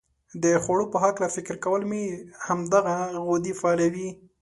د خوړو په هلکه فکر کول هم دغه غدې فعالوي.